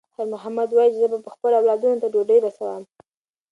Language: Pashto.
خیر محمد وایي چې زه به خپلو اولادونو ته ډوډۍ رسوم.